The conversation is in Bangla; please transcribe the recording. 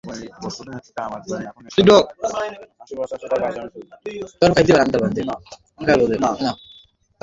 সমুদ্রের সবচেয়ে গভীর প্রাপ্ত মাছ হিসেবে এটি বিবেচিত।